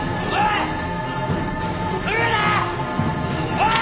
おい！